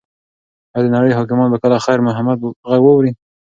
ایا د نړۍ حاکمان به کله د خیر محمد غږ واوري؟